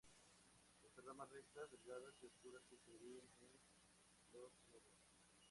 Posee ramas rectas, delgadas y oscuras, que se dividen en los nudos.